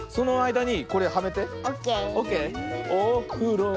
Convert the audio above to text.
オッケー？